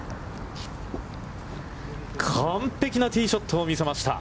完璧なティーショットを見せました。